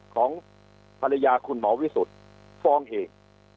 ของภรรยาคุณหมอวิสุทธิ์ฟ้องเอง